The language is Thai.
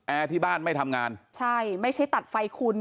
ที่บ้านไม่ทำงานใช่ไม่ใช่ตัดไฟคุณ